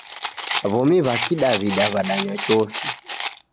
W'omi wa kidawida wadanywa chofi